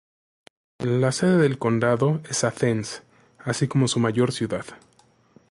La sede del condado es Athens así como su mayor ciudad.